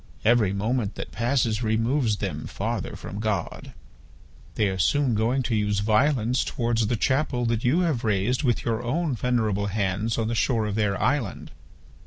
Every moment that passes removes them farther from God. They are soon going to use violence towards the chapel that you have raised with your own venerable hands on the shore of their island.